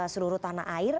seluruh tanah air